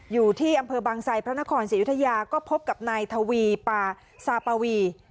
อยู่ที่อำเภอบางไซพระนครศรียุธยาก็พบกับนายทวีปาซาปวี